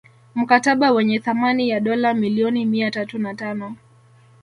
Mkataba wenye thamani ya dola milioni mia tatu na tano